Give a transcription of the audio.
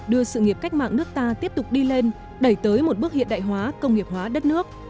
đưa sự nghiệp cách mạng nước ta tiếp tục đi lên đẩy tới một bước hiện đại hóa công nghiệp hóa đất nước